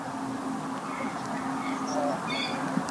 তিনি কলকাতার কংগ্রেসের ষষ্ঠ অধিবেশনে বক্তব্য রাখেন।